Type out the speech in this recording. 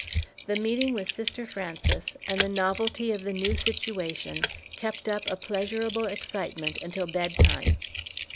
The meeting with Sister Frances and the novelty of the new situation kept up a pleasurable excitement until bed time.